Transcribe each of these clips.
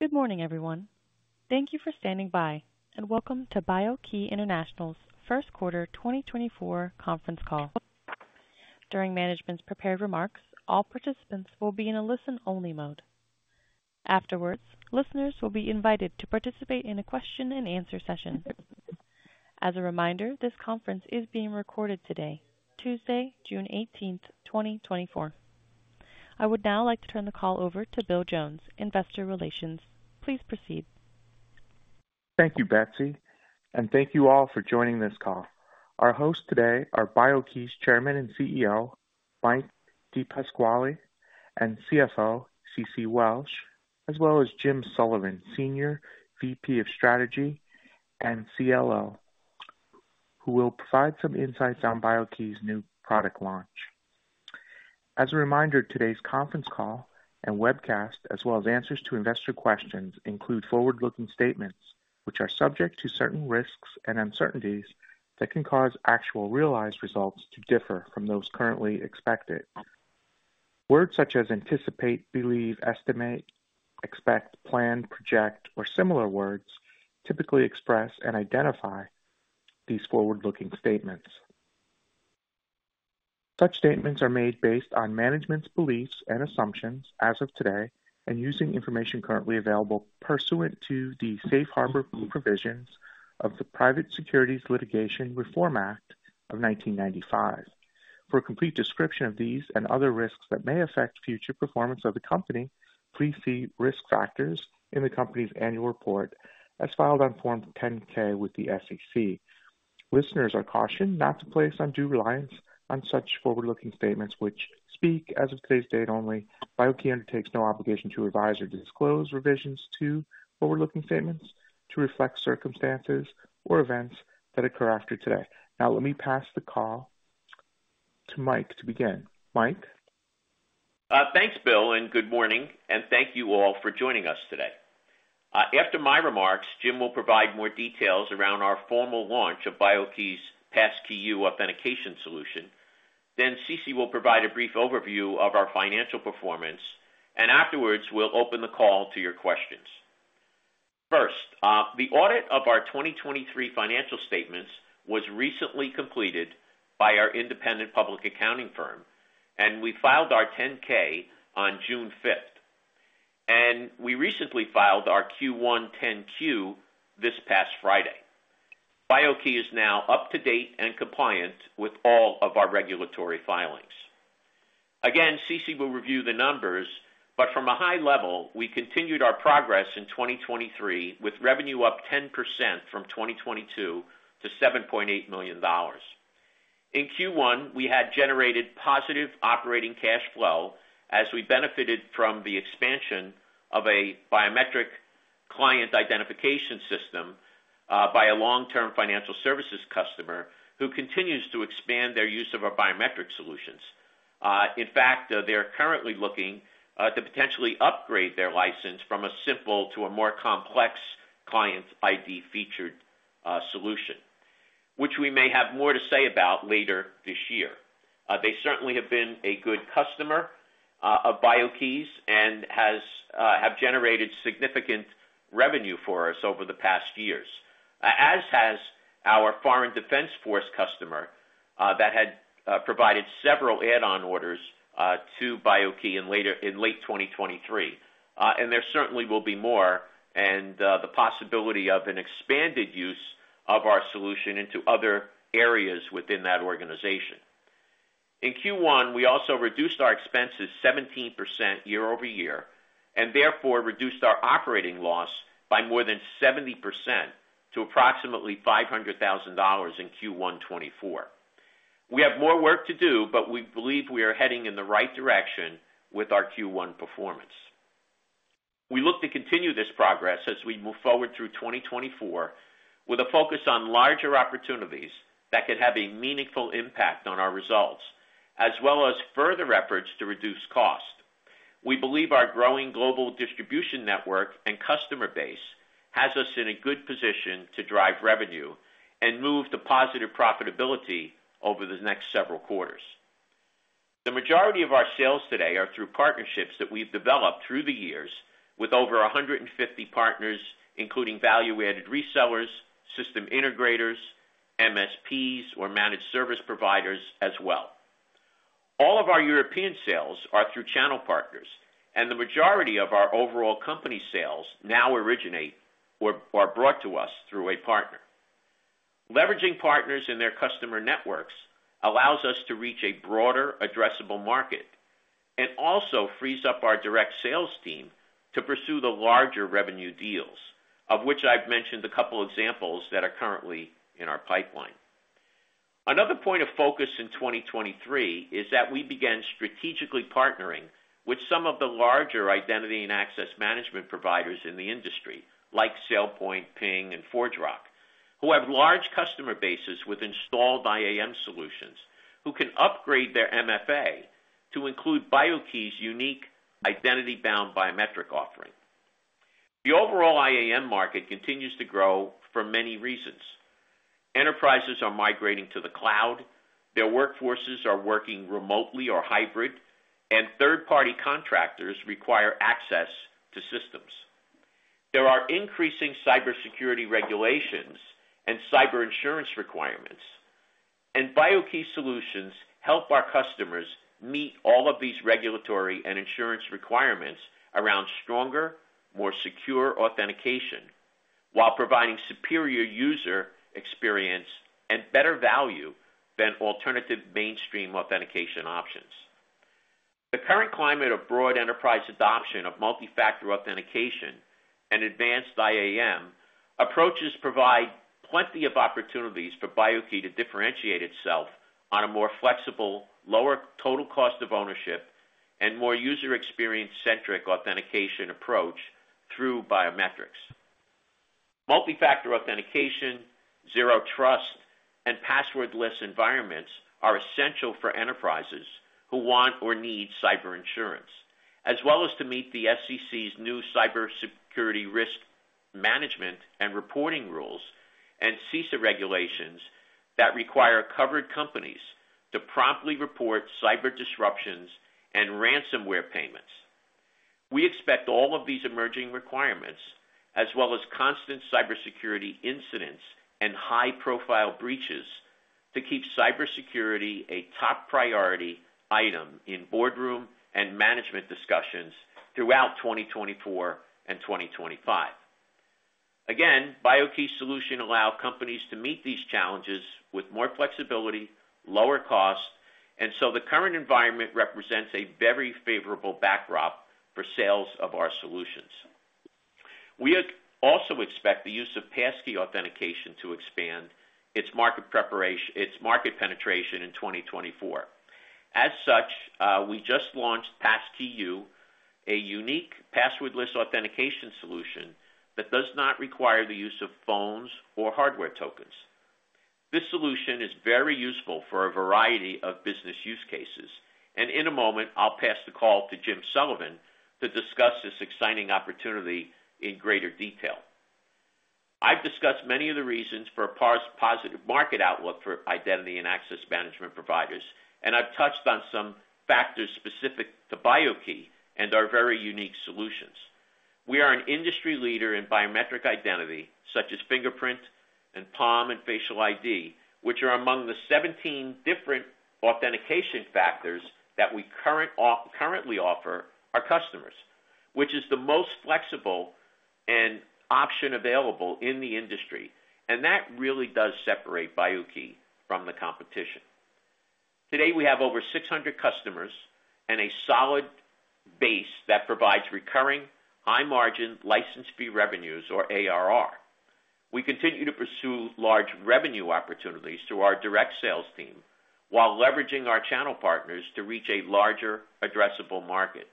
Good morning, everyone. Thank you for standing by and welcome to BIO-key International's First Quarter 2024 Conference Call. During management's prepared remarks, all participants will be in a listen-only mode. Afterwards, listeners will be invited to participate in a question and answer session. As a reminder, this conference is being recorded today, Tuesday, June 18, 2024. I would now like to turn the call over to Bill Jones, Investor Relations. Please proceed. Thank you, Betsy, and thank you all for joining this call. Our hosts today are BIO-key's Chairman and CEO, Mike DePasquale and CFO, Cecilia Welch, as well as Jim Sullivan, Senior VP of Strategy and CLO, who will provide some insights on BIO-key's new product launch. As a reminder, today's conference call and webcast, as well as answers to investor questions, include forward-looking statements, which are subject to certain risks and uncertainties that can cause actual realized results to differ from those currently expected. Words such as anticipate, believe, estimate, expect, plan, project, or similar words typically express and identify these forward-looking statements. Such statements are made based on management's beliefs and assumptions as of today and using information currently available pursuant to the safe harbor provisions of the Private Securities Litigation Reform Act of 1995. For a complete description of these and other risks that may affect future performance of the company, please see Risk Factors in the company's annual report as filed on Form 10-K with the SEC. Listeners are cautioned not to place undue reliance on such forward-looking statements, which speak as of today's date only. BIO-key undertakes no obligation to revise or disclose revisions to forward-looking statements to reflect circumstances or events that occur after today. Now, let me pass the call to Mike to begin. Mike? Thanks, Bill, and good morning, and thank you all for joining us today. After my remarks, Jim will provide more details around our formal launch of BIO-key's Passkey:YOU authentication solution. Then Cecilia will provide a brief overview of our financial performance, and afterwards, we'll open the call to your questions. First, the audit of our 2023 financial statements was recently completed by our independent public accounting firm, and we filed our 10-K on June fifth. We recently filed our Q1 10-Q this past Friday. BIO-key is now up to date and compliant with all of our regulatory filings. Again, Cecilia will review the numbers, but from a high level, we continued our progress in 2023, with revenue up 10% from 2022 to $7.8 million. In Q1, we had generated positive operating cash flow as we benefited from the expansion of a biometric client identification system by a long-term financial services customer who continues to expand their use of our biometric solutions. In fact, they are currently looking to potentially upgrade their license from a simple to a more complex client ID-featured solution, which we may have more to say about later this year. They certainly have been a good customer of BIO-key's and has have generated significant revenue for us over the past years. As has our foreign defense force customer that had provided several add-on orders to BIO-key in late 2023. And there certainly will be more and the possibility of an expanded use of our solution into other areas within that organization. In Q1, we also reduced our expenses 17% year-over-year, and therefore reduced our operating loss by more than 70% to approximately $500,000 in Q1 2024. We have more work to do, but we believe we are heading in the right direction with our Q1 performance. We look to continue this progress as we move forward through 2024 with a focus on larger opportunities that could have a meaningful impact on our results, as well as further efforts to reduce cost. We believe our growing global distribution network and customer base has us in a good position to drive revenue and move to positive profitability over the next several quarters. The majority of our sales today are through partnerships that we've developed through the years with over 150 partners, including value-added resellers, system integrators, MSPs or managed service providers as well. All of our European sales are through channel partners, and the majority of our overall company sales now originate or brought to us through a partner. Leveraging partners and their customer networks allows us to reach a broader addressable market and also frees up our direct sales team to pursue the larger revenue deals, of which I've mentioned a couple examples that are currently in our pipeline. Another point of focus in 2023 is that we began strategically partnering with some of the larger identity and access management providers in the industry, like SailPoint, Ping and ForgeRock, who have large customer bases with installed IAM solutions, who can upgrade their MFA to include BIO-key's unique identity-bound biometric offering. The overall IAM market continues to grow for many reasons. Enterprises are migrating to the cloud, their workforces are working remotely or hybrid, and third-party contractors require access to systems. There are increasing cybersecurity regulations and cyber insurance requirements, and BIO-key solutions help our customers meet all of these regulatory and insurance requirements around stronger, more secure authentication, while providing superior user experience and better value than alternative mainstream authentication options. The current climate of broad enterprise adoption of multi-factor authentication and advanced IAM approaches provides plenty of opportunities for BIO-key to differentiate itself on a more flexible, lower total cost of ownership and more user experience-centric authentication approach through biometrics. Multi-factor authentication, Zero Trust, and passwordless environments are essential for enterprises who want or need cyber insurance, as well as to meet the SEC's new cybersecurity risk management and reporting rules and CISA regulations that require covered companies to promptly report cyber disruptions and ransomware payments. We expect all of these emerging requirements, as well as constant cybersecurity incidents and high-profile breaches, to keep cybersecurity a top priority item in boardroom and management discussions throughout 2024 and 2025. Again, BIO-key solutions allow companies to meet these challenges with more flexibility, lower cost, and so the current environment represents a very favorable backdrop for sales of our solutions. We also expect the use of passkey authentication to expand its market penetration in 2024. As such, we just launched Passkey:YOU, a unique passwordless authentication solution that does not require the use of phones or hardware tokens. This solution is very useful for a variety of business use cases, and in a moment, I'll pass the call to Jim Sullivan to discuss this exciting opportunity in greater detail. I've discussed many of the reasons for a positive market outlook for identity and access management providers, and I've touched on some factors specific to BIO-key and our very unique solutions. We are an industry leader in biometric identity, such as fingerprint and palm and facial ID, which are among the 17 different authentication factors that we currently offer our customers, which is the most flexible and option available in the industry, and that really does separate BIO-key from the competition. Today, we have over 600 customers and a solid base that provides recurring, high-margin license fee revenues, or ARR. We continue to pursue large revenue opportunities through our direct sales team, while leveraging our channel partners to reach a larger addressable market.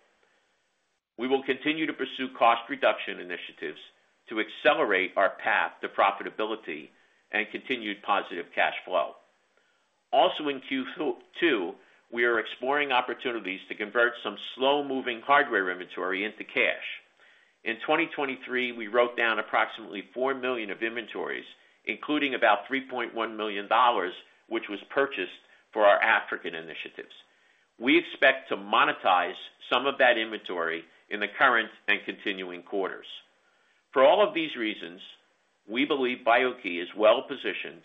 We will continue to pursue cost reduction initiatives to accelerate our path to profitability and continued positive cash flow. Also, in Q2, we are exploring opportunities to convert some slow-moving hardware inventory into cash. In 2023, we wrote down approximately $4 million of inventories, including about $3.1 million, which was purchased for our African initiatives. We expect to monetize some of that inventory in the current and continuing quarters. For all of these reasons, we believe BIO-key is well-positioned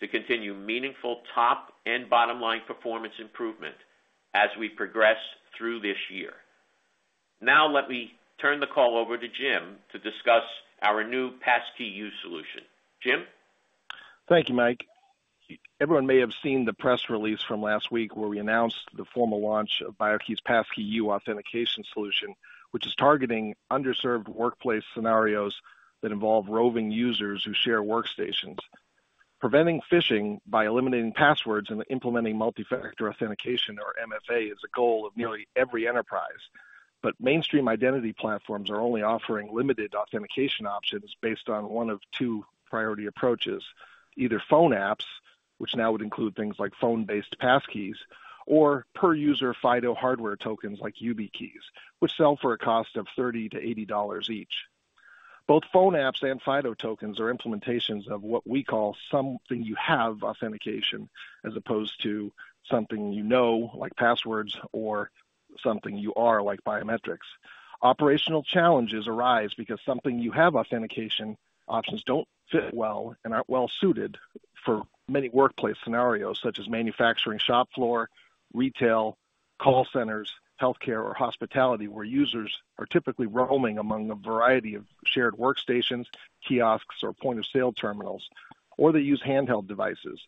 to continue meaningful top and bottom-line performance improvement as we progress through this year. Now, let me turn the call over to Jim to discuss our new Passkey:YOU solution. Jim? Thank you, Mike. Everyone may have seen the press release from last week, where we announced the formal launch of BIO-key's Passkey:YOU authentication solution, which is targeting underserved workplace scenarios that involve roving users who share workstations. Preventing phishing by eliminating passwords and implementing multi-factor authentication, or MFA, is a goal of nearly every enterprise. But mainstream identity platforms are only offering limited authentication options based on one of two priority approaches: either phone apps, which now would include things like phone-based passkeys, or per user FIDO hardware tokens like YubiKeys, which sell for a cost of $30-$80 each. Both phone apps and FIDO tokens are implementations of what we call something you have authentication, as opposed to something you know, like passwords or something you are, like biometrics. Operational challenges arise because something you have authentication options don't fit well and aren't well suited for many workplace scenarios, such as manufacturing, shop floor, retail, call centers, healthcare, or hospitality, where users are typically roaming among a variety of shared workstations, kiosks, or point-of-sale terminals, or they use handheld devices.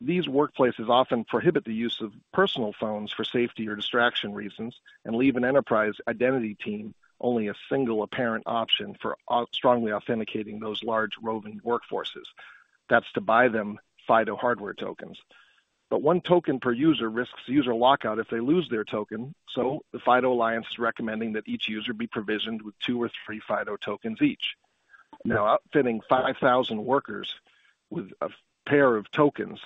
These workplaces often prohibit the use of personal phones for safety or distraction reasons and leave an enterprise identity team only a single apparent option for strongly authenticating those large, roving workforces. That's to buy them FIDO hardware tokens. But one token per user risks user lockout if they lose their token, so the FIDO Alliance is recommending that each user be provisioned with two or three FIDO tokens each. Now, outfitting 5,000 workers with a pair of tokens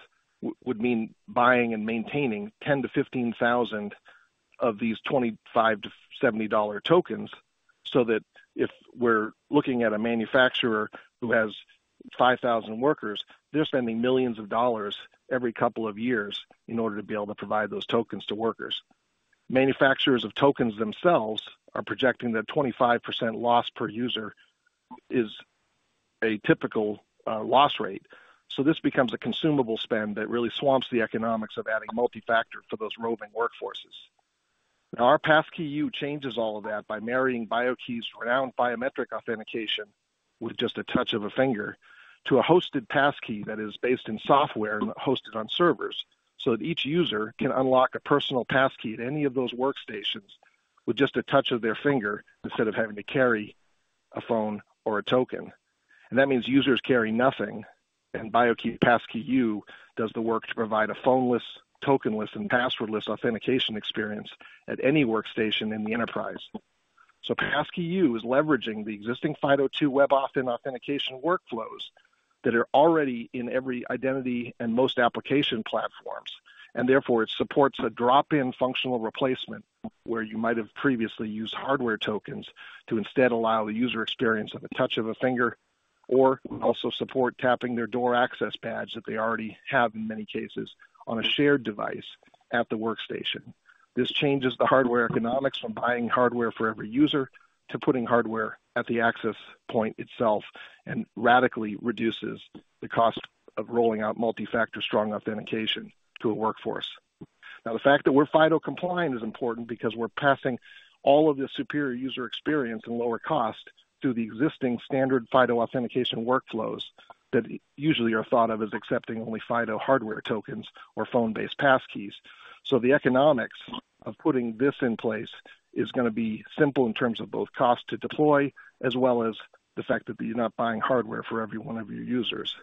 would mean buying and maintaining 10,000-15,000 of these $25-$70 tokens.... so that if we're looking at a manufacturer who has 5,000 workers, they're spending $ millions every couple of years in order to be able to provide those tokens to workers. Manufacturers of tokens themselves are projecting that 25% loss per user is a typical loss rate. So this becomes a consumable spend that really swamps the economics of adding multifactor to those roving workforces. Now, our Passkey:YOU changes all of that by marrying BIO-key's renowned biometric authentication, with just a touch of a finger, to a hosted passkey that is based in software and hosted on servers, so that each user can unlock a personal passkey at any of those workstations with just a touch of their finger, instead of having to carry a phone or a token. That means users carry nothing, and BIO-key Passkey:YOU does the work to provide a phoneless, tokenless, and passwordless authentication experience at any workstation in the enterprise. Passkey:YOU is leveraging the existing FIDO2 WebAuthn authentication workflows that are already in every identity and most application platforms. Therefore, it supports a drop-in functional replacement, where you might have previously used hardware tokens to instead allow the user experience of a touch of a finger, or also support tapping their door access badge that they already have in many cases on a shared device at the workstation. This changes the hardware economics from buying hardware for every user to putting hardware at the access point itself, and radically reduces the cost of rolling out multi-factor strong authentication to a workforce. Now, the fact that we're FIDO compliant is important because we're passing all of the superior user experience and lower cost through the existing standard FIDO authentication workflows that usually are thought of as accepting only FIDO hardware tokens or phone-based passkeys. So the economics of putting this in place is going to be simple in terms of both cost to deploy, as well as the fact that you're not buying hardware for every one of your users.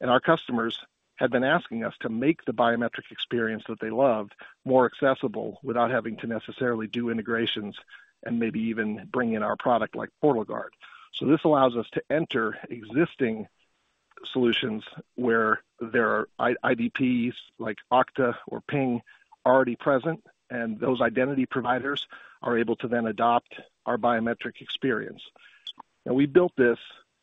And our customers have been asking us to make the biometric experience that they love more accessible without having to necessarily do integrations and maybe even bring in our product, like PortalGuard. So this allows us to enter existing solutions where there are IDPs like Okta or Ping already present, and those identity providers are able to then adopt our biometric experience. Now, we built this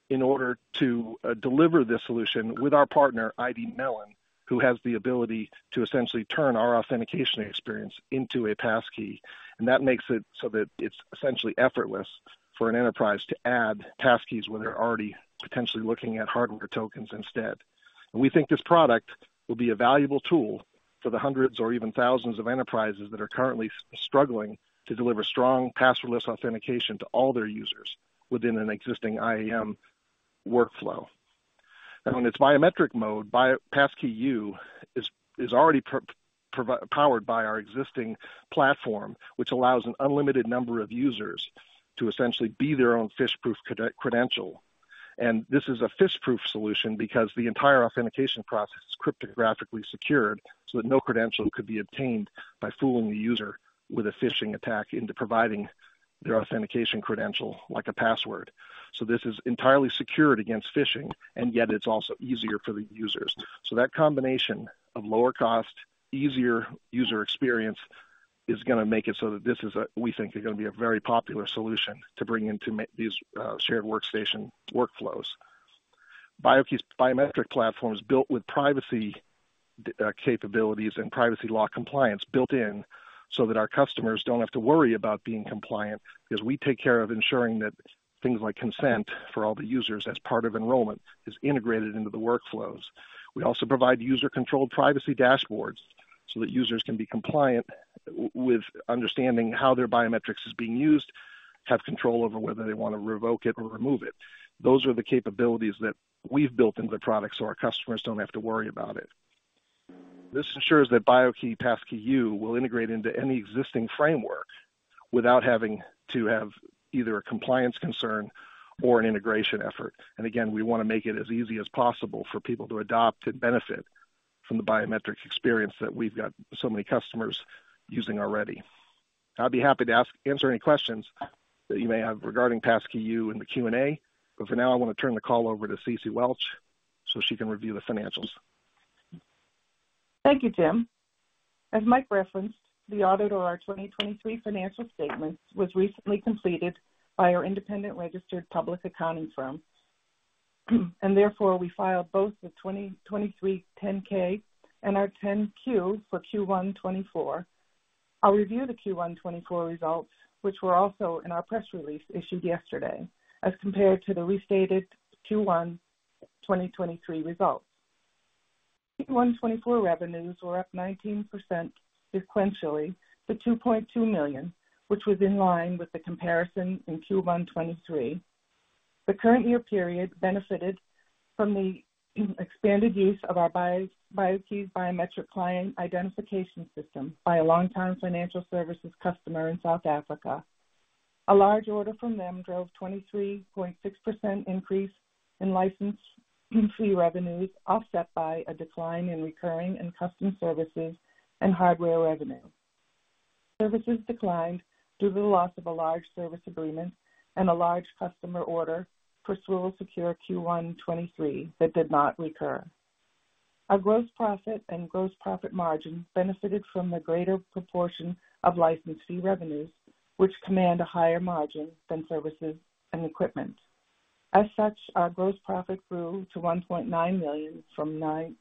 in order to deliver this solution with our partner, IDmelon, who has the ability to essentially turn our authentication experience into a passkey. And that makes it so that it's essentially effortless for an enterprise to add passkeys when they're already potentially looking at hardware tokens instead. We think this product will be a valuable tool for the hundreds or even thousands of enterprises that are currently struggling to deliver strong passwordless authentication to all their users within an existing IAM workflow. Now, in its biometric mode, Passkey:YOU is already powered by our existing platform, which allows an unlimited number of users to essentially be their own phish-proof credential. This is a phishing-proof solution because the entire authentication process is cryptographically secured, so that no credential could be obtained by fooling the user with a phishing attack into providing their authentication credential, like a password. So this is entirely secured against phishing, and yet it's also easier for the users. So that combination of lower cost, easier user experience, is going to make it so that this is, we think, is going to be a very popular solution to bring into these shared workstation workflows. BIO-key's biometric platform is built with privacy capabilities and privacy law compliance built in, so that our customers don't have to worry about being compliant, because we take care of ensuring that things like consent for all the users as part of enrollment is integrated into the workflows. We also provide user-controlled privacy dashboards so that users can be compliant with understanding how their biometrics is being used, have control over whether they want to revoke it or remove it. Those are the capabilities that we've built into the product, so our customers don't have to worry about it. This ensures that BIO-key Passkey:YOU will integrate into any existing framework without having to have either a compliance concern or an integration effort. Again, we want to make it as easy as possible for people to adopt and benefit from the biometrics experience that we've got so many customers using already. I'd be happy to answer any questions that you may have regarding Passkey:YOU in the Q&A, but for now, I want to turn the call over to Cecilia Welch so she can review the financials. Thank you, Jim. As Mike referenced, the audit of our 2023 financial statements was recently completed by our independent registered public accounting firm, and therefore we filed both the 2023 10-K and our 10-Q for Q1 2024. I'll review the Q1 2024 results, which were also in our press release issued yesterday as compared to the restated Q1 2023 results. Q1 2024 revenues were up 19% sequentially to $2.2 million, which was in line with the comparison in Q1 2023. The current year period benefited from the expanded use of our BIO-key's biometric client identification system by a long-time financial services customer in South Africa. A large order from them drove 23.6% increase in license fee revenues, offset by a decline in recurring and custom services and hardware revenue. Services declined due to the loss of a large service agreement and a large customer order for Swivel Secure Q1 2023 that did not recur. Our gross profit and gross profit margin benefited from the greater proportion of license fee revenues, which command a higher margin than services and equipment. As such, our gross profit grew to $1.9 million from $0.9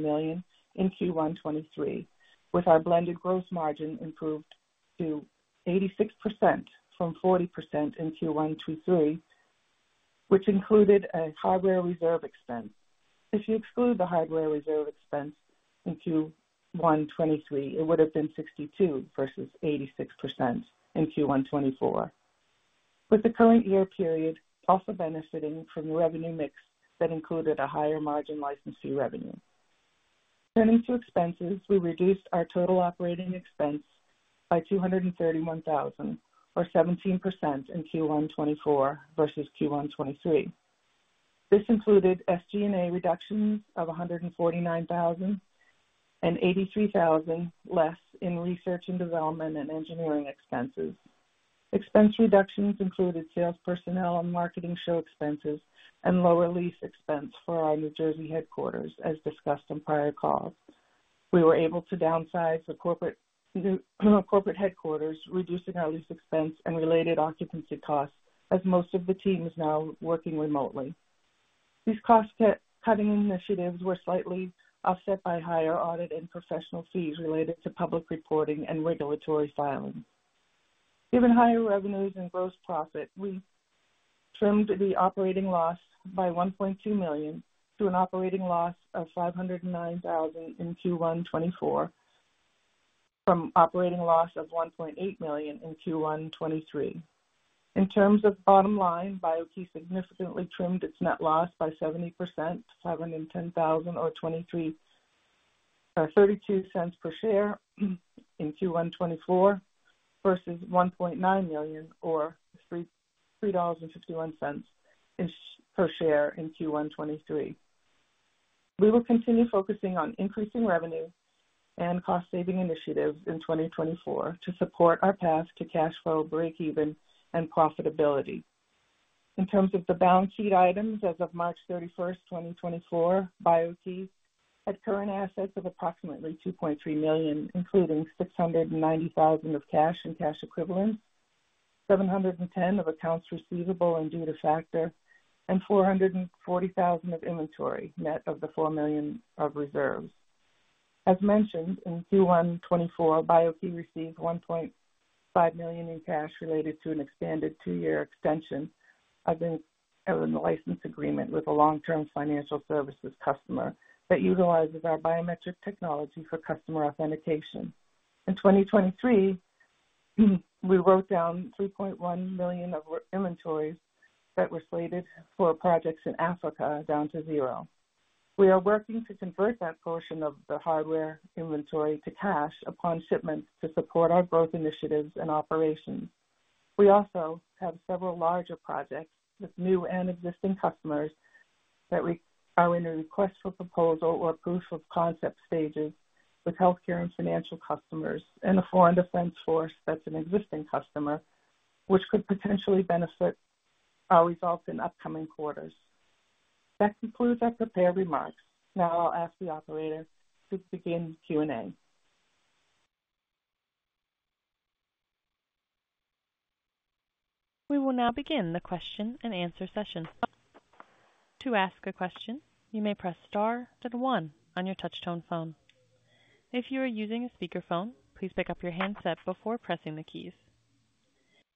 million in Q1 2023, with our blended gross margin improved to 86% from 40% in Q1 2023, which included a hardware reserve expense. If you exclude the hardware reserve expense in Q1 2023, it would have been 62% versus 86% in Q1 2024, with the current year period also benefiting from revenue mix that included a higher margin license fee revenue. Turning to expenses, we reduced our total operating expense by $231,000 or 17% in Q1 2024 versus Q1 2023. This included SG&A reduction of $149,000 and $83,000 less in research and development and engineering expenses. Expense reductions included sales personnel and marketing show expenses and lower lease expense for our New Jersey headquarters, as discussed on prior calls. We were able to downsize the corporate headquarters, reducing our lease expense and related occupancy costs, as most of the team is now working remotely. These cost-cutting initiatives were slightly offset by higher audit and professional fees related to public reporting and regulatory filings. Given higher revenues and gross profit, we trimmed the operating loss by $1.2 million to an operating loss of $509 thousand in Q1 2024, from operating loss of $1.8 million in Q1 2023. In terms of bottom line, BIO-key significantly trimmed its net loss by 70% to $710 thousand or 23, 32 cents per share, in Q1 2024, versus $1.9 million or three dollars and fifty-one cents per share in Q1 2023. We will continue focusing on increasing revenue and cost saving initiatives in 2024 to support our path to cash flow, breakeven, and profitability. In terms of the balance sheet items, as of March 31, 2024, BIO-key had current assets of approximately $2.3 million, including $690,000 of cash and cash equivalents, $710,000 of accounts receivable and due to factor, and $440,000 of inventory, net of the $4 million of reserves. As mentioned, in Q1 2024, BIO-key received $1.5 million in cash related to an extended two-year extension of a license agreement with a long-term financial services customer that utilizes our biometric technology for customer authentication. In 2023, we wrote down $3.1 million of inventories that were slated for projects in Africa down to zero. We are working to convert that portion of the hardware inventory to cash upon shipment to support our growth initiatives and operations. We also have several larger projects with new and existing customers that we are in a request for proposal or proof of concept stages with healthcare and financial customers and a foreign defense force that's an existing customer, which could potentially benefit our results in upcoming quarters. That concludes my prepared remarks. Now I'll ask the operator to begin the Q&A. We will now begin the question and answer session. To ask a question, you may press star then one on your touch tone phone. If you are using a speakerphone, please pick up your handset before pressing the keys.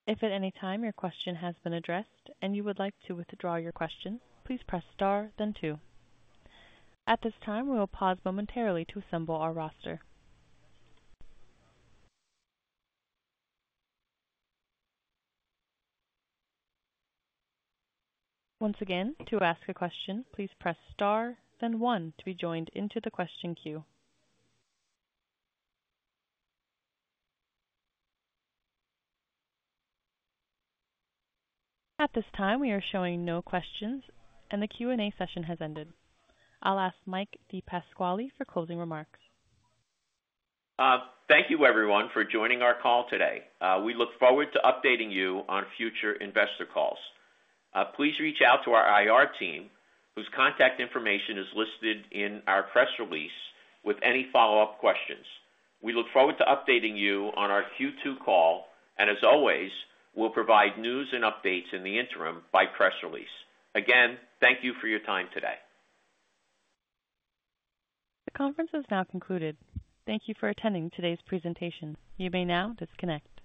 If at any time your question has been addressed and you would like to withdraw your question, please press star then two. At this time, we will pause momentarily to assemble our roster. Once again, to ask a question, please press star then one to be joined into the question queue. At this time, we are showing no questions and the Q&A session has ended. I'll ask Mike DePasquale for closing remarks. Thank you everyone for joining our call today. We look forward to updating you on future investor calls. Please reach out to our IR team, whose contact information is listed in our press release with any follow-up questions. We look forward to updating you on our Q2 call, and as always, we'll provide news and updates in the interim by press release. Again, thank you for your time today. The conference is now concluded. Thank you for attending today's presentation. You may now disconnect.